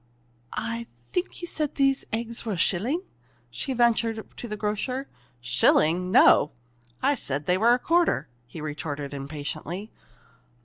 "I think you said these eggs were a shilling?" she ventured to the grocer. "Shilling no! I said they were a quarter," he retorted impatiently.